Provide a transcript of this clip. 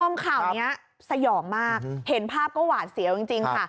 คุณผู้ชมข่าวนี้สยองมากเห็นภาพก็หวาดเสียวจริงค่ะ